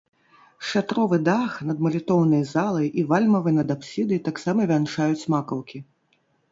Шатровы дах над малітоўнай залай і вальмавы над апсідай таксама вянчаюць макаўкі.